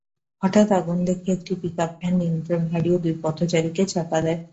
হঠাৎ আগুন দেখে একটি পিকআপ ভ্যান নিয়ন্ত্রণ হারিয়ে দুই পথচারীকে চাপা দেয়।